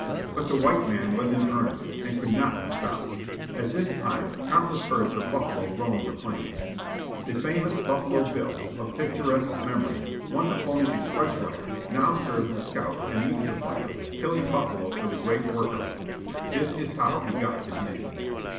But the white man was in earnest, and could not be stopped. At this time countless herds of buffalo roamed the plains. The famous Butfalo Bill, of pictur esque memory, once a Poney Express rider, now served as scout, and meat supplier, killing buffalo for the great work army. This is how he got his name.